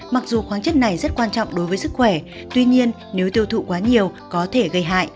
mặc dù khoáng chất này rất quan trọng đối với sức khỏe tuy nhiên nếu tiêu thụ quá nhiều có thể gây hại